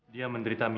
dia menderita miastik